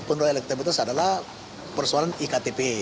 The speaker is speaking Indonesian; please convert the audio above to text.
yang terbetas adalah persoalan iktp